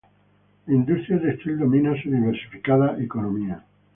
La industria textil domina su diversificada economía.